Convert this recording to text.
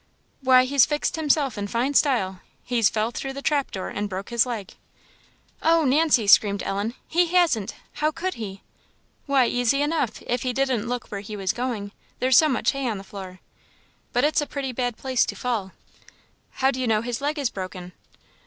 "Why, he's fixed himself in fine style he's fell though the trapdoor, and broke his leg." "Oh, Nancy!" screamed Ellen "he hasn't! How could he?" "Why, easy enough, if he didn't look where he was going there's so much hay on the floor. But it's a pretty bad place to fall." "How do you know his leg is broken?"